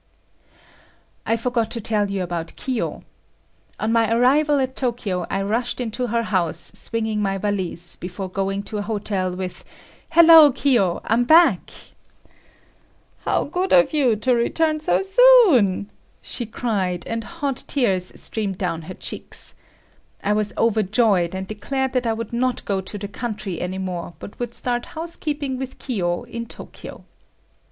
I forgot to tell you about Kiyo. On my arrival at Tokyo, I rushed into her house swinging my valise, before going to a hotel, with "Hello, Kiyo, I'm back!" "How good of you to return so soon!" she cried and hot tears streamed down her cheeks. I was overjoyed, and declared that I would not go to the country any more but would start housekeeping with Kiyo in Tokyo.